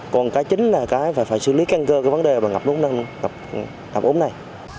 còn cái chính là phải xử lý canh cơ cái vấn đề ngập ốm này